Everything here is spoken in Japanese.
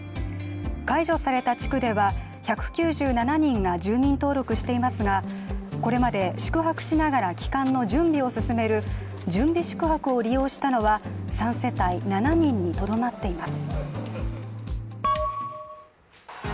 解除された地区では１９７人が住民登録していますがこれまで宿泊しながら帰還の準備を進める準備宿泊を利用したのは３世帯７人にとどまっています。